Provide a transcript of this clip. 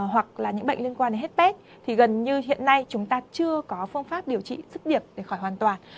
hoặc là những bệnh liên quan đến hepat thì gần như hiện nay chúng ta chưa có phương pháp điều trị sức điệp để khỏi hoàn toàn